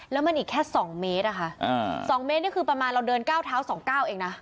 แล้วมันอีกแค่สองเมตรอ่ะค่ะอ่าสองเมตรนี่คือประมาณเราเดินเก้าเท้าสองเก้าเองน่ะ